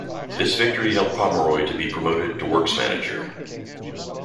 This victory helped Pomeroy to be promoted to Works Manager.